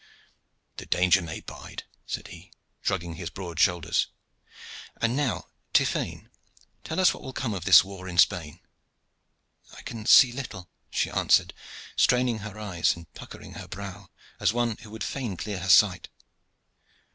"The danger may bide," said he, shrugging his broad shoulders. "And now, Tiphaine, tell us what will come of this war in Spain." "I can see little," she answered, straining her eyes and puckering her brow, as one who would fain clear her sight.